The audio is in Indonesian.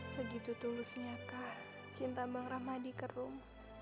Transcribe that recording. segitu tulusnya kah cinta bang rahmadi ke rum